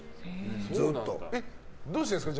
どうしてるんですか？